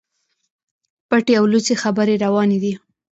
پټي او لڅي خبري رواني دي.